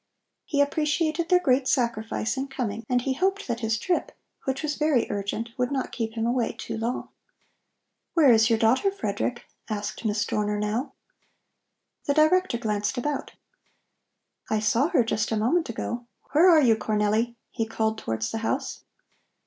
He appreciated their great sacrifice in coming and he hoped that his trip, which was very urgent, would not keep him away too long. "Where is your daughter, Frederick?" asked Miss Dorner now. The Director glanced about. "I saw her just a moment ago. Where are you, Cornelli?" he called towards the house.